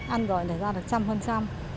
ăn rồi là ra được trăm phần trăm